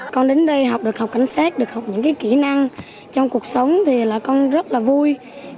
con đến đây học được học cảnh sát được học những kỹ năng trong cuộc sống thì là con rất là vui